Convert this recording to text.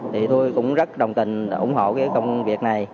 thì tôi cũng rất đồng tình ủng hộ cái công việc này